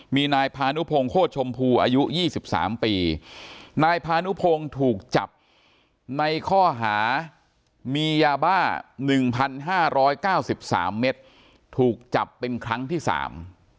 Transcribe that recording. มีนายพานุพงศ์โฆษชมพูอายุ๒๓ปีนายพานุพงศ์ถูกจับในข้อหามียาบ้า๑๕๙๓เมตรถูกจับเป็นครั้งที่สาม